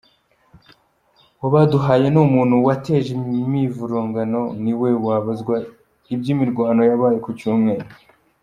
Uwo baduhaye ni umuntu wateje imivurungano niwe wabazwa iby’imirwano yabaye ku Cyumweru.